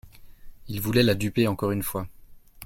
Il voulait la duper encore une fois.